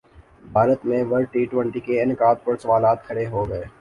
بھارت میں world T twenty کے انعقاد پر سوالات کھڑے ہوگئے